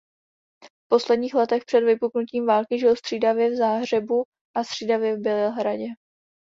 V posledních letech před vypuknutím války žil střídavě v Záhřebu a střídavě v Bělehradě.